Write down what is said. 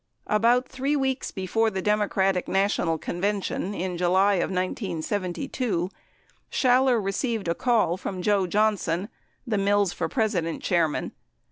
About three weeks before the Democratic National Convention in July of 1972, Schaller received a call from Joe Johnson, the "Mills for President" chairman.